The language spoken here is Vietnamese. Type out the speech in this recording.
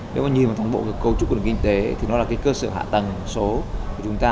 nếu mà nhìn vào thắng bộ cấu trúc của nền kinh tế thì nó là cái cơ sở hạ tầng số của chúng ta